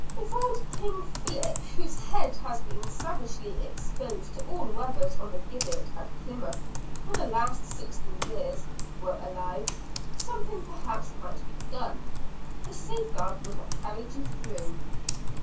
"If old king Philip, whose head has been savagely exposed to all weathers on the gibbet at Plymouth for the last sixteen years, were alive, something perhaps might be done. His safeguard would have carried you through."